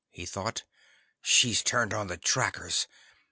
_ he thought. She's turned on the trackers!